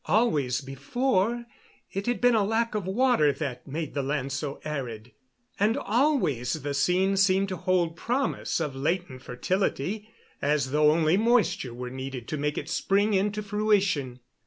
Always before it had been the lack of water that made the land so arid; and always the scene seemed to hold promise of latent fertility, as though only moisture were needed to make it spring into fruition.